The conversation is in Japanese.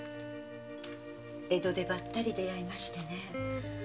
江戸でバッタリ出会いましてね。